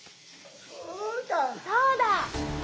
そうだ！